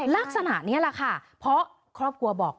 ลักษณะนี้แหละค่ะเพราะครอบครัวบอก